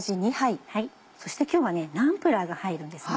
そして今日はナンプラーが入るんですね。